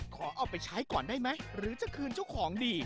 ขอเอาไปใช้ก่อนได้ไหมหรือจะคืนเจ้าของดี